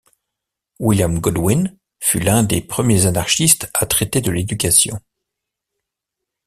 William Godwin fut l'un des premiers anarchistes à traiter de l'Éducation.